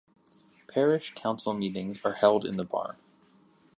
Parish council meetings are held in the Barn.